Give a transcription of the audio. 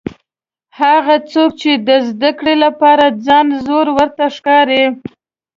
هغه څوک چې د زده کړې لپاره ځان زوړ ورته ښکاري.